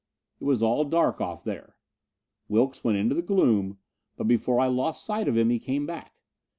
It was all dark off there. Wilks went into the gloom, but before I lost sight of him he came back.